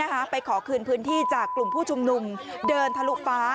ไปขอคืนพื้นที่จากกลุ่มผู้ชุมนุมเดินทะลุฟ้า